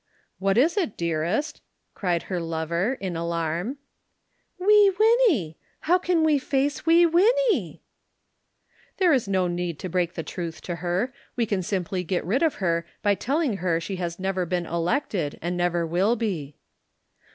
"What is it, dearest?" cried her lover, in alarm. "Wee Winnie! How can we face Wee Winnie?" "There is no need to break the truth to her we can simply get rid of her by telling her she has never been elected, and never will be."